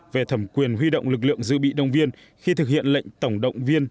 về thẩm quyền huy động lực lượng giữ bị đồng viên khi thực hiện lệnh tổng động viên